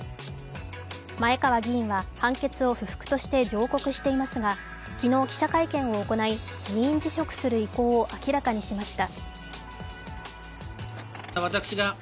前川議員は判決を不服として上告していますが昨日記者会見を行い、議員辞職する意向を明らかにしました。